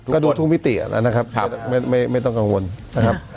ก็ดูทุกมิติแล้วนะครับไม่ต้องกังวลนะครับ